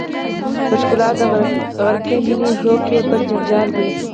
پر ښکلا د غرقې مینې ذوق یې بل جنجال دی.